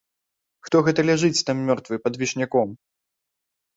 Хто гэта ляжыць там мёртвы пад вішняком?